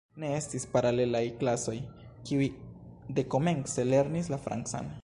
Ne estis paralelaj klasoj, kiuj dekomence lernis la francan.